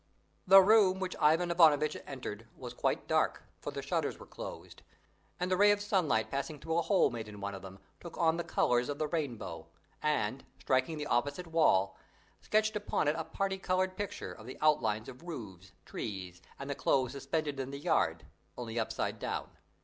The room which Ivan Ivanovitch entered was quite dark, for the shutters were closed; and the ray of sunlight passing through a hole made in one of them took on the colours of the rainbow, and, striking the opposite wall, sketched upon it a parti coloured picture of the outlines of roofs, trees, and the clothes suspended in the yard, only upside down.